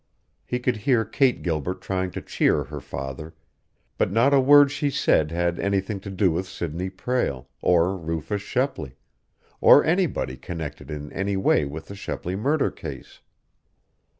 He could hear Kate Gilbert trying to cheer her father, but not a word she said had anything to do with Sidney Prale, or Rufus Shepley, or anybody connected in any way with the Shepley murder case.